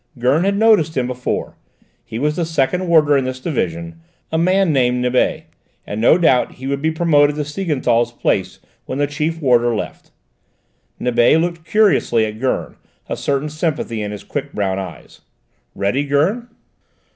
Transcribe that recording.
Gurn had noticed him before: he was the second warder in this division, a man named Nibet, and no doubt he would be promoted to Siegenthal's place when the chief warder left. Nibet looked curiously at Gurn, a certain sympathy in his quick brown eyes. "Ready, Gurn?"